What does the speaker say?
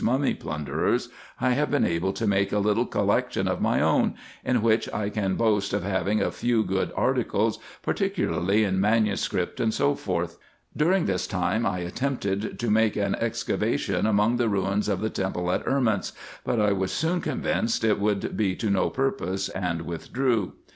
295 mummy plunderers, I have been able to make a little collection of ray own, in which I can boast of having a few good articles, par ticularly in manuscript, &c. During this time, I attempted to make an excavation among the ruins of the temple at Erments, but I was soon convinced it would be to no purpose, and withdrew.